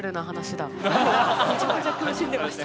めちゃくちゃ苦しんでました。